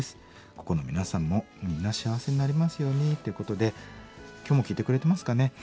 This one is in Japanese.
ここの皆さんもみんな幸せになりますように」ってことで今日も聴いてくれてますかね？